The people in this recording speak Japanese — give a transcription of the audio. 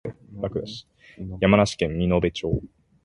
山梨県身延町